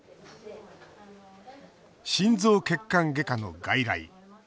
心臓血管外科の外来。